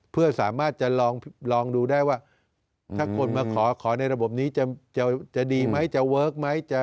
เพื่อสามารถจะลองดูได้ว่าถ้าคนมาขอในระบบนี้จะดีไหมจะเวิร์คไหม